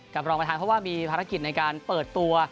รองประธานเพราะว่ามีภารกิจในการเปิดตัว